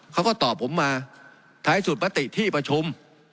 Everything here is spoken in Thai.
เขาก็ตอบผมมาท้ายสุดมติที่ประชุม